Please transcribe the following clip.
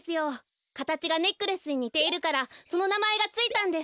かたちがネックレスににているからそのなまえがついたんです。